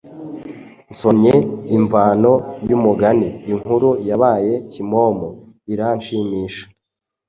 nsomye imvano y’umugani ’’inkuru yabaye kimomo’’ iranshimisha.